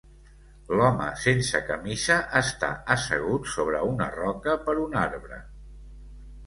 L'home sense camisa està assegut sobre una roca per un arbre.